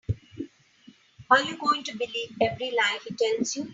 Are you going to believe every lie he tells you?